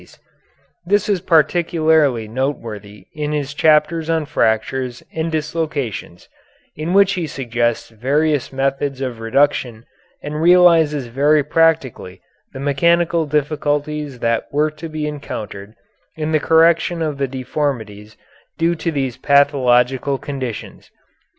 This is particularly noteworthy in his chapters on fractures and dislocations, in which he suggests various methods of reduction and realizes very practically the mechanical difficulties that were to be encountered in the correction of the deformities due to these pathological conditions.